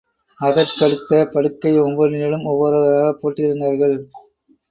அதற்கடுத்த படுக்கை ஒவ்வொன்றிலும் ஒவ்வொருவராகப் போட்டிருந்தார்கள்.